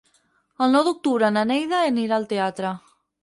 El nou d'octubre na Neida anirà al teatre.